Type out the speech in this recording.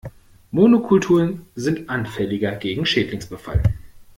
Monokulturen sind anfälliger gegen Schädlingsbefall.